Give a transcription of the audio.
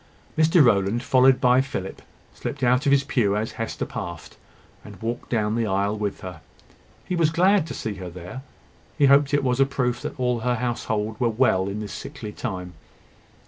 Mr Rowland, followed by Philip, slipped out of his pew as Hester passed, and walked down the aisle with her. He was glad to see her there; he hoped it was a proof that all her household were well in this sickly time.